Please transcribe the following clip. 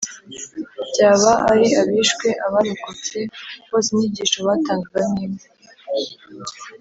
Byaba ari abishwe, abarokotse bose inyigisho batangaga ni imwe